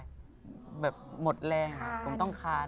ดูแบบหมดแรงต้องคาน